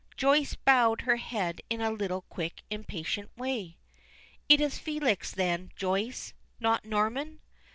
Joyce bowed her head in a little quick, impatient way. "It is Felix then, Joyce; not Norman?